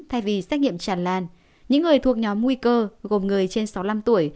thay vì xét nghiệm tràn lan những người thuộc nhóm nguy cơ gồm người trên sáu mươi năm tuổi